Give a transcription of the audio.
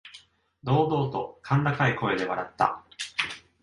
堂々と甲高い声で笑った。